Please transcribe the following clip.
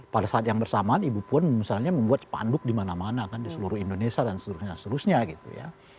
pada saat yang bersamaan ibu puan misalnya membuat spanduk di mana mana kan di seluruh indonesia dan seterusnya seterusnya gitu ya